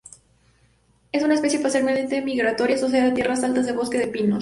Es una especie parcialmente migratoria, asociada a tierras altas de bosques de pinos.